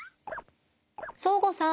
そーごさん！